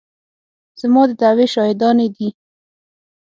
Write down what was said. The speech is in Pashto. زما د دعوې شاهدانې دي.